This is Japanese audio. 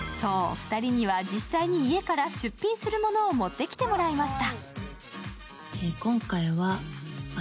２人は実際に家から出品するものを持ってきてもらいました。